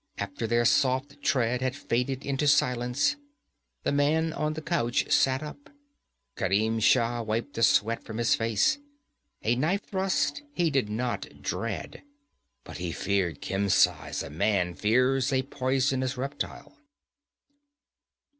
After their soft tread had faded into silence, the man on the couch sat up. Kerim Shah wiped the sweat from his face. A knife thrust he did not dread, but he feared Khemsa as a man fears a poisonous reptile.